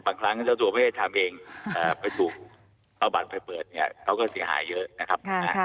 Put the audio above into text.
บางครั้งเจ้าตัวไม่ได้ทำเองไปถูกเอาบัตรไปเปิดเนี่ยเขาก็เสียหายเยอะนะครับ